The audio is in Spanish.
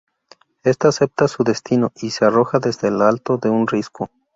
Esta acepta su destino, y se arroja desde lo alto de un risco.